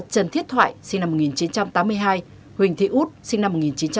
trần thiết thoại sinh năm một nghìn chín trăm tám mươi hai huỳnh thị út sinh năm một nghìn chín trăm tám mươi